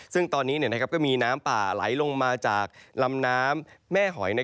ซึ่งตอนนี้ก็มีน้ำป่าไหลลงมาจากลำน้ำแม่หอย